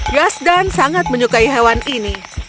yasdan sangat menyukai hewan ini